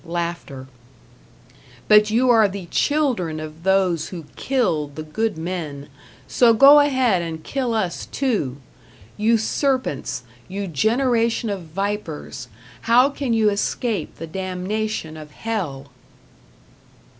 But you are the children of those who killed the good men; so go ahead and kill us too! You serpents, you generation of vipers, how can you escape the damnation of hell?